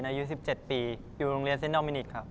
อายุ๑๗ปีอยู่โรงเรียนเซนอมินิกครับ